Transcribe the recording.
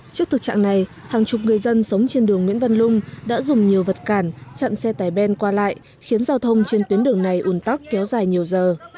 trước thực trạng này hàng chục người dân sống trên đường nguyễn văn lung đã dùng nhiều vật cản chặn xe tải ben qua lại khiến giao thông trên tuyến đường này ủn tắc kéo dài nhiều giờ